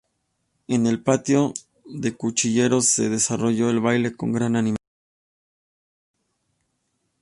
En el patio de cuchilleros, se desarrolla el baile con gran animación.